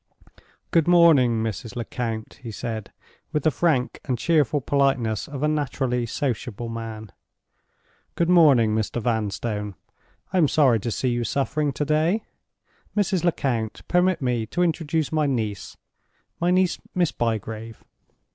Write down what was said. "Good morning, Mrs. Lecount," he said, with the frank and cheerful politeness of a naturally sociable man. "Good morning, Mr. Vanstone; I am sorry to see you suffering to day. Mrs. Lecount, permit me to introduce my niece—my niece, Miss Bygrave.